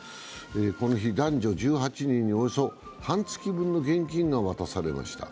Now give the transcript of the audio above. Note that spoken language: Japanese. この日、男女１８人におよそ半月分の現金が渡されました。